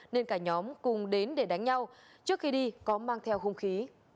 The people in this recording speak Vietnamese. nên cả nhóm cùng đến để đánh nhau trước khi đi có mang theo hung khí